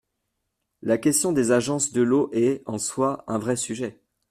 La question des agences de l’eau est, en soi, un vrai sujet.